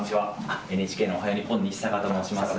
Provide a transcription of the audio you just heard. ＮＨＫのおはよう日本、西阪と申します。